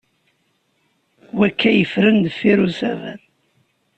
Wakka yeffren deffir usaber?